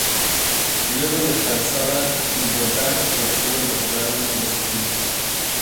Luego de casada, Hildegard obtuvo el doctorado en filosofía.